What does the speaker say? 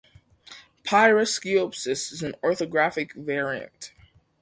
Peireskiopsis is an orthographic variant.